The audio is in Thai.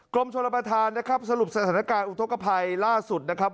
กรมชนประธานนะครับสรุปสถานการณ์อุทธกภัยล่าสุดนะครับ